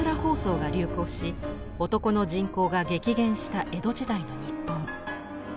疱瘡が流行し男の人口が激減した江戸時代の日本。